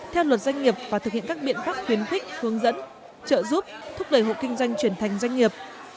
theo luật doanh nghiệp và thực hiện các biện pháp khuyến khích hướng dẫn trợ giúp thúc đẩy hộ kinh doanh chuyển thành doanh nghiệp